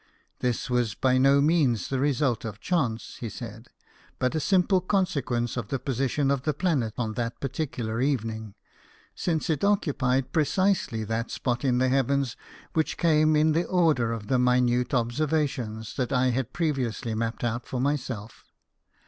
" This was by no means the result of chance," he said ;" but a simple consequence of the position of the planet on that particular evening, since it occu pied precisely that spot in the heavens which came in the order of the minute observations that I had previously mapped out for myself.